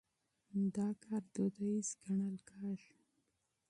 دا کار دوديز ګڼل کېږي.